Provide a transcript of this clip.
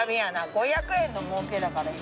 ５００円の儲けだから今。